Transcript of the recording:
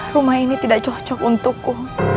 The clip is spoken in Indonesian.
rumah ini tidak cocok untukku